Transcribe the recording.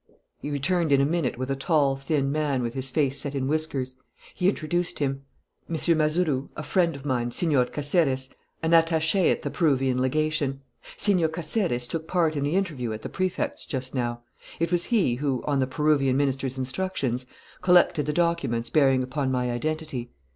He returned in a minute with a tall, thin man with his face set in whiskers. He introduced him: "M. Mazeroux, a friend of mine, Señor Caceres, an attaché at the Peruvian Legation. Señor Caceres took part in the interview at the Prefect's just now. It was he who, on the Peruvian Minister's instructions, collected the documents bearing upon my identity."